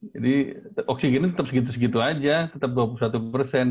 jadi oksigennya tetap segitu segitu aja tetap dua puluh satu persen